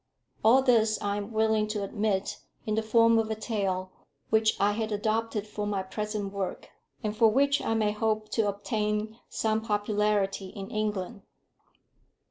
All this I am willing to admit in the form of a tale, which I have adopted for my present work, and for which I may hope to obtain some popularity in England.